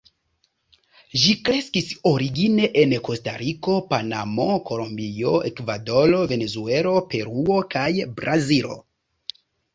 Ĝi kreskis origine en Kostariko, Panamo, Kolombio, Ekvadoro, Venezuelo, Peruo kaj Brazilo.